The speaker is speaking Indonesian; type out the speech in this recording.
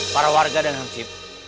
para warga dan hamcip